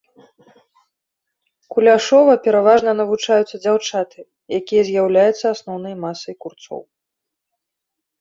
Куляшова пераважна навучаюцца дзяўчаты, якія і з'яўляюцца асноўнай масай курцоў.